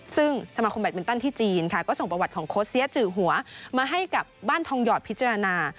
ซึ่งสมาคมแบตมินตันที่จีนค่ะก็ส่งประวัติของโค้ชเซียจือหัวมาให้กับบ้านทองหยอดพิจารณา